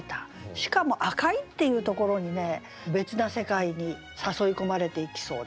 しかも「赤い」っていうところにね別な世界に誘い込まれていきそうだ。